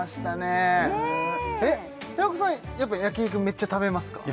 えっ平子さんやっぱ焼肉めっちゃ食べますか？